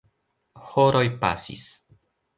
Horoj pasis.